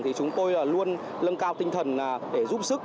thì chúng tôi luôn lân cao tinh thần để giúp sức